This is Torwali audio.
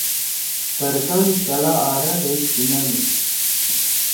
ترکان شلا آرا دے چھینَدُو۔